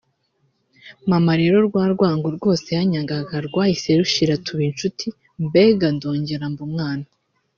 Maman rero rwa rwango rwose yanyangaga rwahise rushira tuba incuti mbega ndongera mba umwana